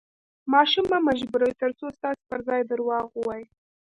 ماشوم مه مجبوروئ، ترڅو ستاسو پر ځای درواغ ووایي.